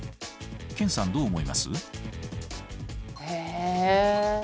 研さんどう思います？え？